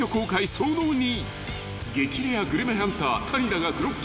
その２］